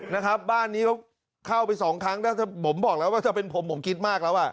นะครับบ้านนี้เขาเข้าไปสองครั้งถ้าผมบอกแล้วว่าถ้าเป็นผมผมคิดมากแล้วอ่ะ